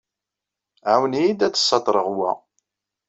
Ɛawen-iyi-d ad d-ssaṭreɣ wa.